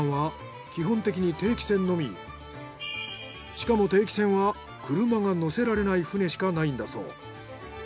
しかも定期船は車が乗せられない船しかないんだそう。